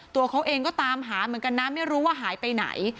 ตัวเขาเองก็ตามหาเหมือนกันนะไม่รู้ว่าหายไปไหน